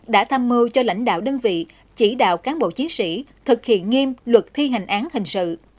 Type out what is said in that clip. đã tham mưu cho lãnh đạo đơn vị chỉ đạo cán bộ chiến sĩ thực hiện nghiêm luật thi hành án hình sự